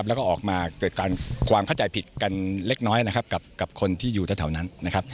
แล้วก็ออกมาเกิดความเข้าใจผิดกันเล็กน้อยกับคนที่อยู่ท่าเท่านั้น